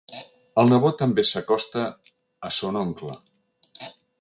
El nebot també s'acosta a son oncle.